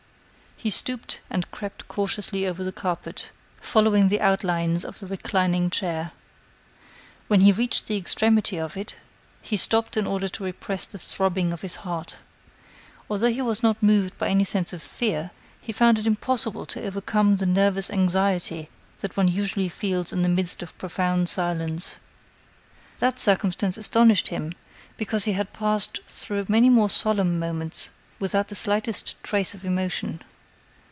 He stooped and crept cautiously over the carpet, following the outlines of the reclining chair. When he reached the extremity of it, he stopped in order to repress the throbbing of his heart. Although he was not moved by any sense of fear, he found it impossible to overcome the nervous anxiety that one usually feels in the midst of profound silence. That circumstance astonished him, because he had passed through many more solemn moments without the slightest trace of emotion.